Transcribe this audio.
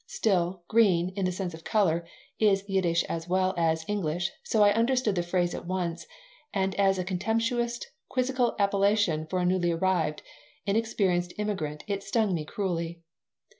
Still, "green," in the sense of color, is Yiddish as well as English, so I understood the phrase at once, and as a contemptuous quizzical appellation for a newly arrived, inexperienced immigrant it stung me cruelly.